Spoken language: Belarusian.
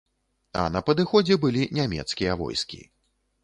А на падыходзе былі нямецкія войскі.